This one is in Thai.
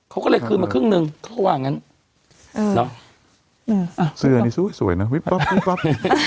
เขาก็เลยคืนมาครึ่งหนึ่งเขาก็ว่างั้นเนอะอ่าเสือนี้สวยเนอะวิบป๊อปวิบป๊อป